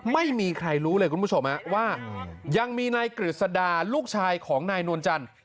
ไม่มีใครรู้เลยคุณผู้ชมว่ายังมีนายกฤษดาลูกชายของนายนวลจันทร์